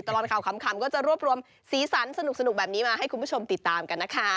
ตลอดข่าวขำก็จะรวบรวมสีสันสนุกแบบนี้มาให้คุณผู้ชมติดตามกันนะคะ